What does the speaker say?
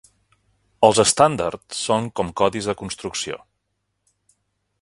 Els estàndards són com codis de construcció.